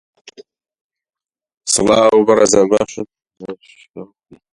چینی شەشسەد ملیۆنیش هەبوو